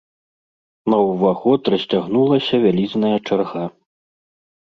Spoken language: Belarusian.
На ўваход расцягнулася вялізная чарга.